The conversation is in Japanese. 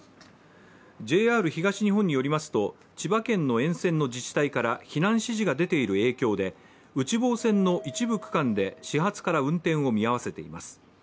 ＪＲ東日本によりますと千葉県の沿線の自治体から避難指示が出ている影響で内房線の一部区間で始発から運転を見合わせています。